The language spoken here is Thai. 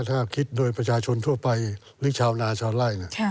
ถ้าคิดโดยประชาชนทั่วไปหรือชาวนาชาวไล่